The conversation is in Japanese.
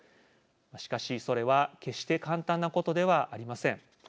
しかし、それは決して簡単なことではありません。